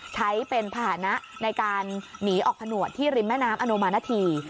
ใช้เป็นภาษณะในการหนีออกผนวดที่ริมแม่น้ำอนุมานาธี